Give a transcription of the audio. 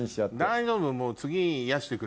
大丈夫。